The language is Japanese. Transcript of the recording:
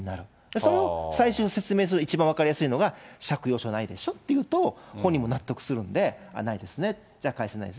それを最初に説明するのに一番分かりやすいのが、借用書ないでしょ？って言うと、本人も納得するんで、ないですね、じゃあ、返せないです。